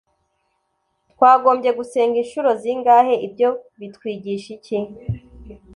Twagombye gusenga incuro zingahe ibyo bitwigisha iki